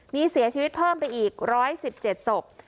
มีเสียชีวิตเพิ่มไปอีก๑๑๗ศพ